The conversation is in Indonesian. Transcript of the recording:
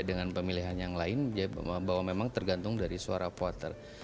dengan pemilihan yang lain bahwa memang tergantung dari suara voter